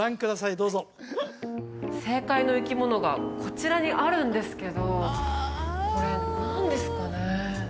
どうぞ正解の生き物がこちらにあるんですけどこれ何ですかね？